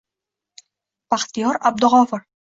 Baxtiyor Abdug'ofur